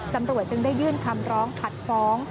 ตำรวจจึงได้ยื่นคำร้องผัดฟ้อง